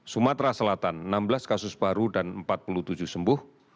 sumatera selatan enam belas kasus baru dan empat puluh tujuh sembuh